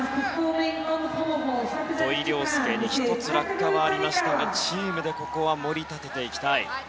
土井陵輔に１つ落下がありましたがチームで盛り立てていきたい。